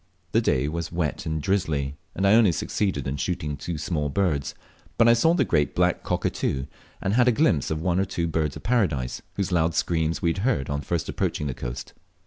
The day was wet and drizzly, and I only succeeded in shooting two small birds, but I saw the great black cockatoo, and had a glimpse of one or two Birds of Paradise, whose loud screams we had heard on first approaching the coast.